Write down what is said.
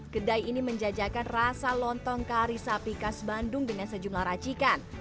kedai ini menjajakan rasa lontong kari sapi khas bandung dengan sejumlah racikan